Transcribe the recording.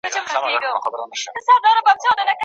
اوس به څه وايي زامنو ته پلرونه